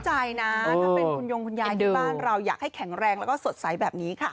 ถ้าเป็นคุณยงคุณยายที่บ้านเราอยากให้แข็งแรงแล้วก็สดใสแบบนี้ค่ะ